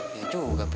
ya juga pi